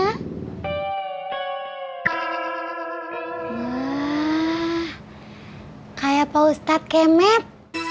kayak pak ustadz kemet